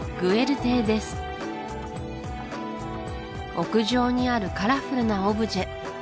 屋上にあるカラフルなオブジェ